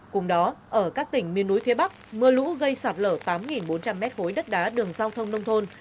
cùng đó ở các tỉnh miền núi phía bắc mưa lũ gây sạt lở tám bốn trăm linh m khối đất đá đường giao thông nông thôn